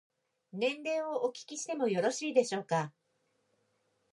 年齢をお聞きしてもよろしいでしょうか。